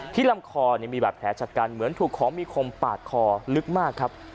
ลำคอมีบาดแผลชะกันเหมือนถูกของมีคมปาดคอลึกมากครับ